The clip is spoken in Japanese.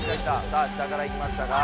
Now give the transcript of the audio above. さあ下から行きましたが。